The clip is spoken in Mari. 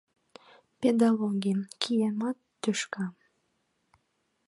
Педологий... киямат тӱшка!..